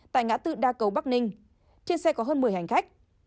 tại ngã tư đa cầu bắc ninh trên xe có hơn một mươi hành khách